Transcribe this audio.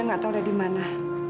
nggak tahu ada di mana